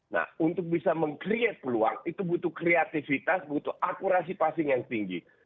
nah untuk bisa meng create peluang itu butuh kreativitas butuh akurasi passing yang tinggi